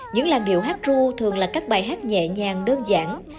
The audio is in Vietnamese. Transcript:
những làn điệu hát ru thường là các bài hát nhẹ nhàng đơn giản